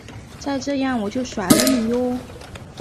再这样我就甩了你唷！